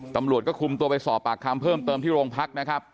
ตำรวจก็คุมตัวไปสอบปากคำเพิ่มเติมที่โรงพักนะครับ